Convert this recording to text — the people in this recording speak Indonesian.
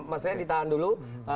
mas rian ditahan dulu